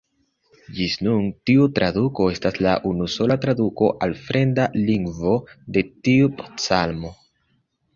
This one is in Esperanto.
Ĝis nun tiu traduko estas la unusola traduko al fremda lingvo de tiu psalmo.